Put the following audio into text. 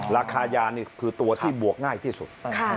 ราคายานี่คือตัวที่บวกง่ายที่สุด